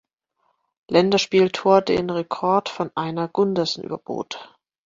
Länderspieltor den Rekord von Einar Gundersen überbot.